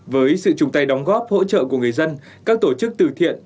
với sự chung tay đóng góp hỗ trợ của người dân các tổ chức từ thiện